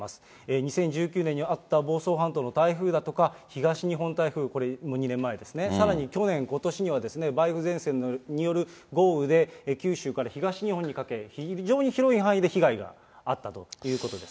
２０１９年にあった房総半島の台風だとか、東日本台風、これも２年前ですね、さらに去年、ことしには梅雨前線による豪雨で九州から東日本にかけ、非常に広い範囲で被害があったということです。